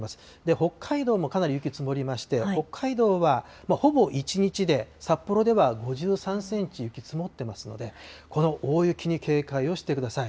北海道もかなり雪積もりまして、北海道は、ほぼ１日で、札幌では５３センチ、雪積もってますので、この大雪に警戒をしてください。